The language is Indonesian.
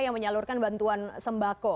yang menyalurkan bantuan sembako